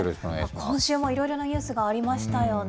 今週もいろいろなニュースがありましたよね。